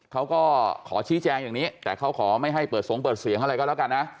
เขาก็ขอชี้แจงอย่างนี้แต่เขาขอไม่ให้เปิดสงเปิดเสียงอะไรก็แล้วกันนะ